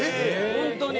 本当に。